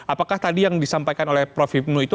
apakah tadi yang disampaikan oleh prof hipnu itu